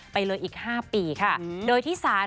ไปเลยอีก๕ปีค่ะโดยที่ศาล